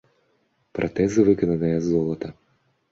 Пратэзы выкананыя з золата.